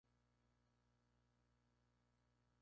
Spin-off de la serie Grey's anatomy.